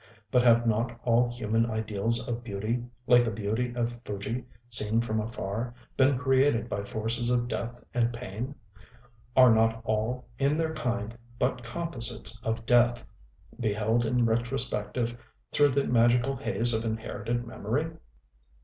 But have not all human ideals of beauty, like the beauty of Fuji seen from afar, been created by forces of death and pain? are not all, in their kind, but composites of death, beheld in retrospective through the magical haze of inherited memory?